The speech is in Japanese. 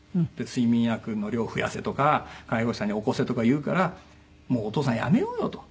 「睡眠薬の量を増やせ」とか介護士さんに「起こせ」とか言うから「もうお父さんやめようよ」と。